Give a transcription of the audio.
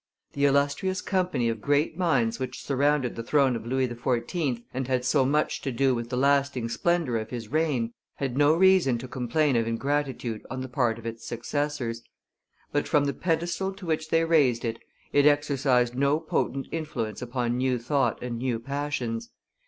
The illustrious company of great minds which surrounded the throne of Louis XIV., and had so much to do with the lasting splendor of his reign, had no reason to complain of ingratitude on the part of its successors; but, from the pedestal to which they raised it, it exercised no potent influence upon new thought and new passions.